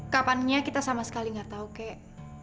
kapannya kita sama sekali nggak tahu kayak